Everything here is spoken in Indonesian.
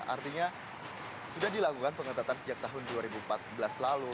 artinya sudah dilakukan pengetatan sejak tahun dua ribu empat belas lalu